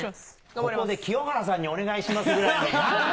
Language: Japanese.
ここで清原さんにお願いしますぐらいの、な？